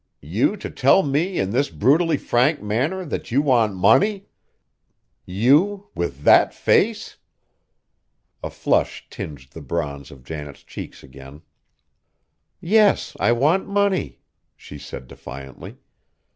"You to tell me in this brutally frank manner that you want money! You with that face!" A flush tinged the bronze of Janet's cheeks again. "Yes: I want money!" she said defiantly.